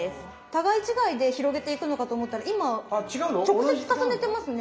互い違いで広げていくのかと思ったら今直接重ねてますね。